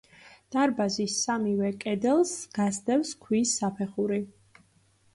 დარბაზის სამივე კედელს გასდევს ქვის საფეხური.